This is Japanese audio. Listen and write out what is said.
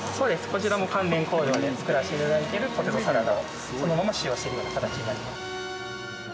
こちらも関連工場で作らせて頂いてるポテトサラダをそのまま使用してるような形になります。